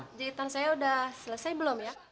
pak jahitan saya udah selesai belum ya